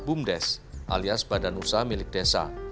bumdes alias badan usaha milik desa